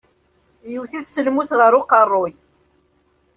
Yewwet-it s lmus ɣer uqeṛṛuy.